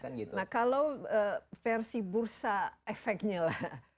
nah kalau versi bursa efeknya lah